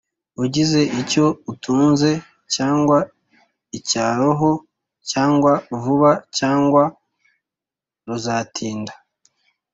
ugize icyo atunze cyaba icya roho cyangwa vuba cyangwa ruzatinda